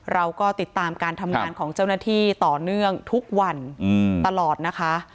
เราก็ติดตามการทำงานของเจ้าหน้าที่ต่อเนื่องทุกวันตลอดนะคะ